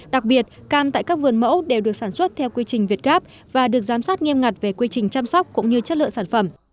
đặc biệt cam tại các vườn mẫu đều được sản xuất theo quy trình việt gáp và được giám sát nghiêm ngặt về quy trình chăm sóc cũng như chất lượng sản phẩm